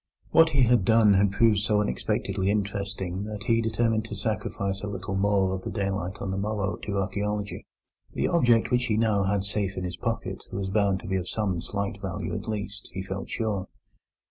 What he had done had proved so unexpectedly interesting that he determined to sacrifice a little more of the daylight on the morrow to archaeology. The object which he now had safe in his pocket was bound to be of some slight value at least, he felt sure.